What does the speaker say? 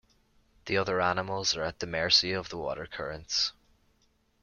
The other animals are at the mercy of the water currents.